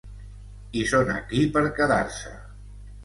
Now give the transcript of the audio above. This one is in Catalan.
I són aquí per quedar-se.